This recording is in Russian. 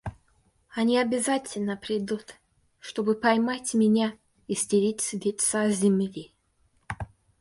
Они обязательно придут, чтобы поймать меня и стереть с лица земли.